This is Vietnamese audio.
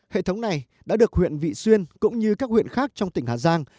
hệ thống này đã được huyện vị xuyên cũng như các huyện khác trong tỉnh hà giang